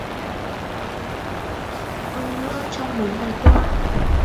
Hơn nữa trong mấy ngày qua